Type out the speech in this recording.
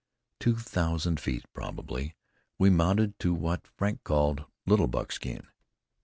Two thousand feet, probably, we mounted to what Frank called Little Buckskin.